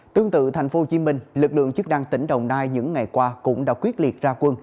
tương tự thành phố hồ chí minh lực lượng chức năng tỉnh đồng nai những ngày qua cũng đã quyết liệt ra quân